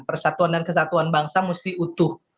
kelebihan bangsa mesti utuh